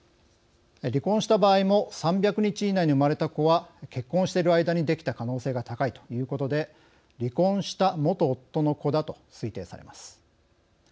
離婚した場合も３００日以内に生まれた子は結婚している間にできた可能性が高いということで離婚した元夫の子だと推定されます。